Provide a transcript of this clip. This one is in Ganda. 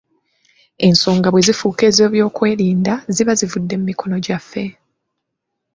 Ensonga bwe zifuuka ez'ebyokwerinda ziba zivudde mu mikono gyaffe.